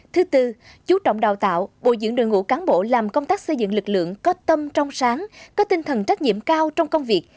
thứ tư chú trọng đào tạo bồi dưỡng đội ngũ cán bộ làm công tác xây dựng lực lượng có tâm trong sáng có tinh thần trách nhiệm cao trong công việc